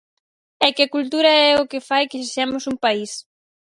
É que a cultura é o que fai que sexamos un país!